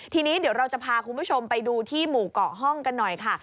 ทีนี้เดี๋ยวเราจะพาคุณผู้ชมไปดูที่หมู่เกาะห้องกันหน่อยค่ะ